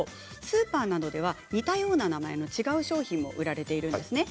スーパーなどでは似たような名前の違う商品が売られています。